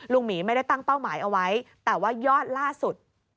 หมีไม่ได้ตั้งเป้าหมายเอาไว้แต่ว่ายอดล่าสุด